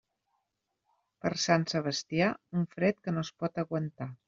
Per Sant Sebastià, un fred que no es pot aguantar.